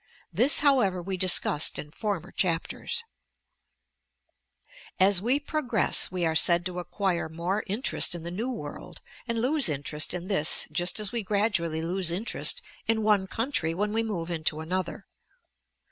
This however we discussed in former chapters. As we progress, we are said to acquire more interest in the new world; and lose interest in this — just as we gradually lose interest in one country when we move into another.